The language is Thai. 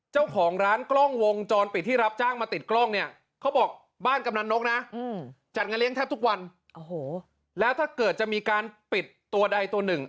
อืมจัดเงินเลี้ยงแทบทุกวันโอ้โหแล้วถ้าเกิดจะมีการปิดตัวใดตัวหนึ่ง